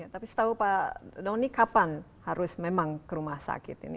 tapi setahu pak doni kapan harus memang ke rumah sakit ini